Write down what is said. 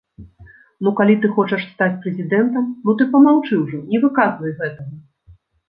Ну калі ты хочаш стаць прэзідэнтам, ну ты памаўчы ўжо, не выказвай гэтага.